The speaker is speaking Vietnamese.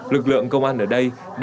lực lượng công an ở đây đã